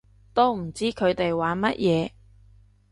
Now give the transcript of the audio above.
都唔知佢哋玩乜嘢